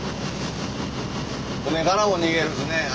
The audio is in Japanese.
船からも逃げるしね